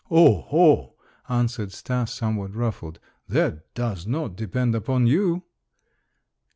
"Oho!" answered Stas, somewhat ruffled, "that does not depend upon you."